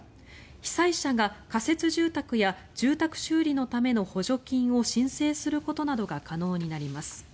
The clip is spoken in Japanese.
被災者が仮設住宅や住宅修理のための補助金を申請することなどが可能になります。